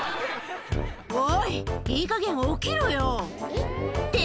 「おいいいかげん起きろよ！」って